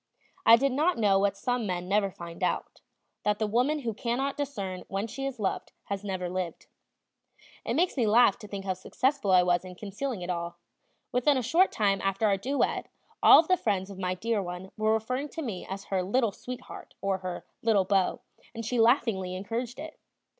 I did not know what some men never find out, that the woman who cannot discern when she is loved has never lived. It makes me laugh to think how successful I was in concealing it all; within a short time after our duet all of the friends of my dear one were referring to me as her "little sweetheart," or her "little beau," and she laughingly encouraged it.